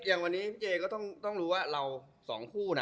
อย่างวันนี้พี่เจก็ต้องรู้ว่าเราสองคู่นะ